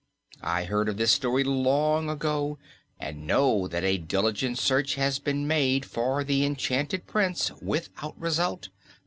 I heard of this story long ago and know that a diligent search has been made for the enchanted Prince, without result.